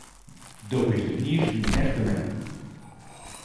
Do bist net iens myn echte mem!